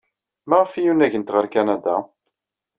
Maɣef ay unagent ɣer Kanada?